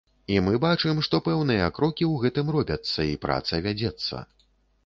І мы бачым, што пэўныя крокі ў гэтым робяцца і праца вядзецца.